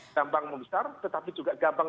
gampang membesar tetapi juga gampang